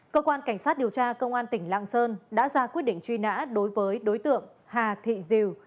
cơ quan cảnh sát điều tra công an tỉnh lạng sơn đã ra quyết định truy nã đối với đối tượng hà thị diều